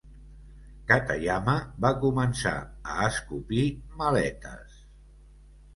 Katayama va començar a escopir maletes.